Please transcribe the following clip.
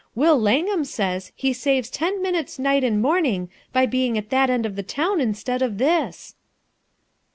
Will Langham says he saves ten minutes ni«ht and morning by being at that end of the town instead of this."